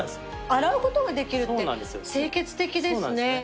洗う事ができるって清潔的ですね。